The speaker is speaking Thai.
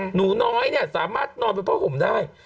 หนูน้อยเนี่ยสามารถนอนเป็นผ้าห่มได้